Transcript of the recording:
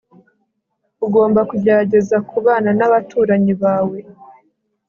ugomba kugerageza kubana nabaturanyi bawe